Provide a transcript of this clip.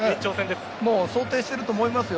想定していると思いますよ。